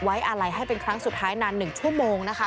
ไว้อะไรให้เป็นครั้งสุดท้ายนั้น๑ชั่วโมงนะคะ